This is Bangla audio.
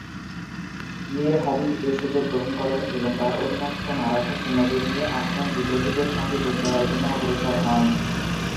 মীর হাবিব এ সুযোগ গ্রহণ করেন এবং তাঁর অধীনস্থ মারাঠা সৈন্যদের নিয়ে আফগান বিদ্রোহীদের সঙ্গে যোগ দেয়ার জন্য অগ্রসর হন।